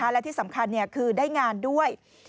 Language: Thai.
และที่สำคัญคือได้งานด้วย